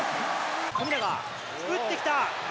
富永、打ってきた！